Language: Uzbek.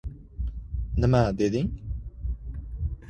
— Nima deding?